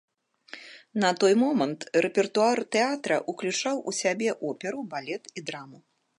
На той момант рэпертуар тэатра уключаў у сябе оперу, балет і драму.